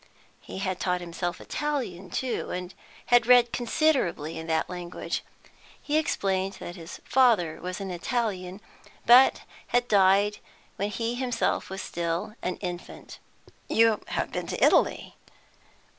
He had taught himself Italian, too, and had read considerably in that language. He explained that his father was an Italian, but had died when he himself was still an infant. "You have been in Italy?"